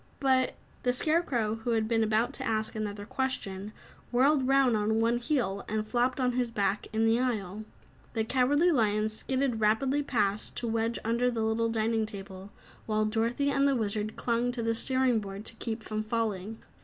"But " The Scarecrow, who had been about to ask another question, whirled round on one heel, and flopped on his back in the aisle. The Cowardly Lion skidded rapidly past, to wedge under the little dining table while Dorothy and the Wizard clung to the steering board to keep from falling.